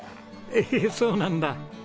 へえそうなんだ。